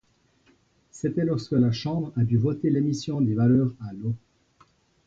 C'était lorsque la Chambre a dû voter l'émission des valeurs à lots.